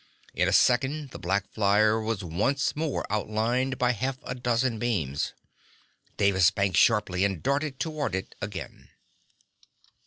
In a second the black flyer was once more outlined by half a dozen beams. Davis banked sharply and darted toward it again.